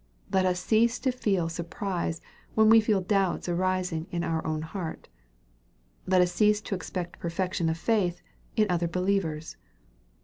Let us cease to feel sur prise when we feel doubts arising in our own heart. Let us cease to expect perfection of faith in other believers.